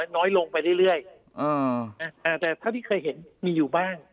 น้อยลงไปเรื่อยแต่เท่าที่เคยเห็นมีอยู่บ้าง